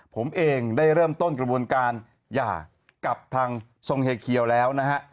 ผมเองได้เริ่มต้นกระบวนการหย่ากับทางทรงเฮเคียวแล้วนะฮะ